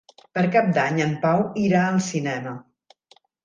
Per Cap d'Any en Pau irà al cinema.